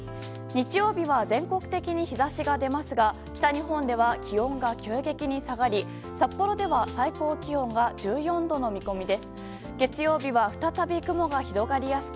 日曜日は全国的に日差しが出ますが北日本では気温が急激に下がり札幌では最高気温が１４度の見込みです。